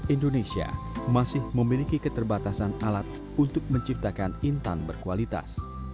indonesia masih memiliki keterbatasan alat untuk menciptakan intan berkualitas